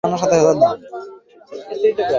এই টিনা, দেখো তোমার জন্য কি এনেছি।